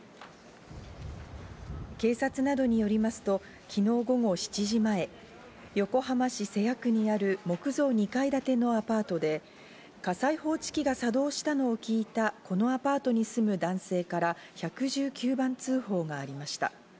警察などによりますと昨日午後７時前、横浜市瀬谷区にある木造２階建てのアパートで、火災報知機が作動したのを聞いた、このアパートに住む男性から１１９番通報がありました。